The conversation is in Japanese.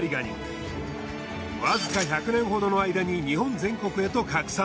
わずか１００年ほどの間に日本全国へと拡散。